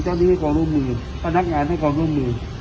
ที่ให้ความร่วมมือพนักงานให้ความร่วมมือ